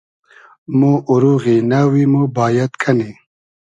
مۉ اوروغی نئوی مۉ بایئد کئنی